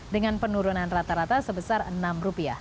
dengan penurunan rata rata sebesar rp enam